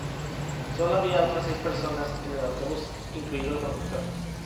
Sólo había otras seis personas en el autobús, incluido el conductor.